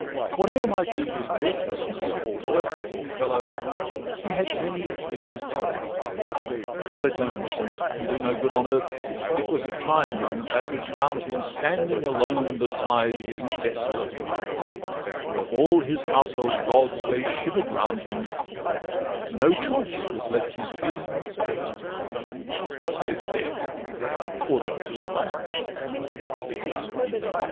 Whate'er might be his worthlessness or worth, Poor fellow! he had many things to wound him. Let 's own—since it can do no good on earth— It was a trying moment that which found him Standing alone beside his desolate hearth, Where all his household gods lay shiver'd round him: No choice was left his feelings or his pride, Save death or Docto